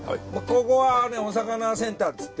ここはねお魚センターっつって。